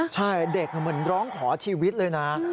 ใช่เด็กเหมือนร้องขอชีวิตเลยนะ